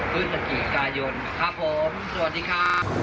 พฤศจิกายนครับผมสวัสดีครับ